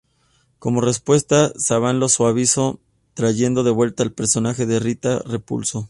Como respuesta, Saban lo suavizó trayendo de vuelta al personaje de Rita Repulsa.